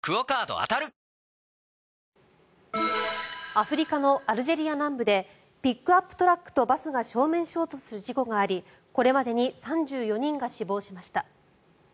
アフリカのアルジェリア南部でピックアップトラックとバスが正面衝突する事故がありこれまでに３４人が死亡しました。